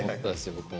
僕も。